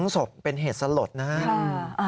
๒สกเป็นเหตุสลดนะฮะ